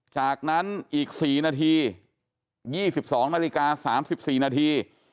จากนั้นอีก๔นาที๒๒นาฬิกา๓๔นาที